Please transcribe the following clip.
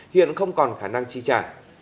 hiện không còn khả năng chi trả